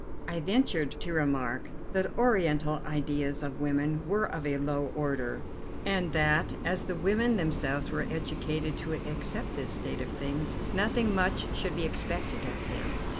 I ventured to remark that Oriental ideas of women were of a low order, and that, as the women themselves were educated to accept this state of things, nothing much should be expected of them.